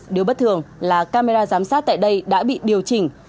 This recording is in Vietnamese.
điều bất thường là camera giám sát tại đây đã bị điều chỉnh